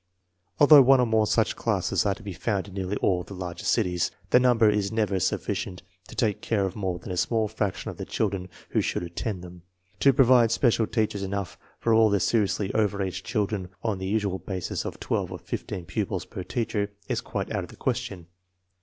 Although one or more such classes are to be found in nearly all the larger cities, the number is never sufficient to take care of more than a small fraction of the children who should at tend them. To provide special teachers enough for all the seriously over age children on the usual basis of twelve or fifteen pupils per teacher is quite out of the question.